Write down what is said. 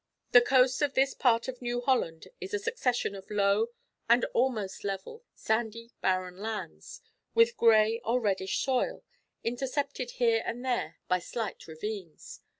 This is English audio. The coast of this part of New Holland is a succession of low and almost level sandy barren lands, with grey or reddish soil, intercepted here and there by slight ravines.